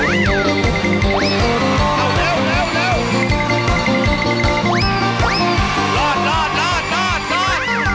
เร็วอย่าให้แตกอย่าให้แตก